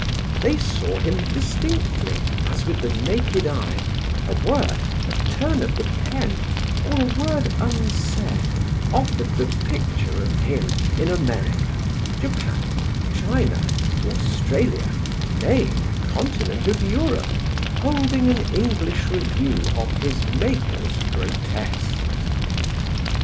They saw him distinctly, as with the naked eye; a word, a turn of the pen, or a word unsaid, offered the picture of him in America, Japan, China, Australia, nay, the continent of Europe, holding an English review of his Maker's grotesques.